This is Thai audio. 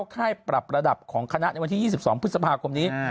ค่ายปรับระดับของคณะในวันที่๒๒พฤษภาคมนี้